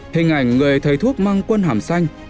hình ảnh người thầy thuốc mang quân hàm xanh